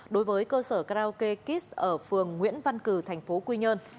đối với cơ sở karaoke kiss ở phường nguyễn văn cử tp quy nhơn